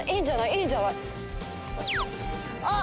いいんじゃない？あっ！